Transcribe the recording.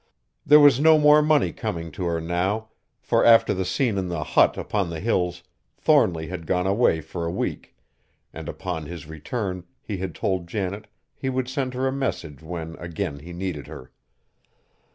There was no more money coming to her now, for after the scene in the hut upon the Hills Thornly had gone away for a week, and upon his return he had told Janet he would send her a message when again he needed her.